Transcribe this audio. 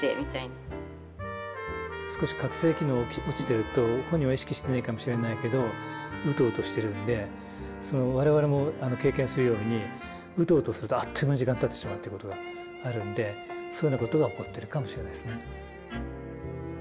少し覚醒機能が落ちてると本人は意識してないかもしれないけどウトウトしてるんで我々も経験するようにウトウトするとあっという間に時間たってしまうということがあるんでそのようなことが起こってるかもしれないですね。